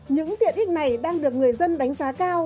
những tiện ích này đang được người dân đánh giá cao